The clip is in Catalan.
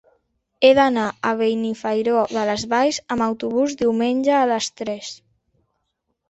He d'anar a Benifairó de les Valls amb autobús diumenge a les tres.